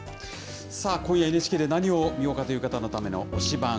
さあ、今夜ＮＨＫで何を見ようかという方のための推しバン。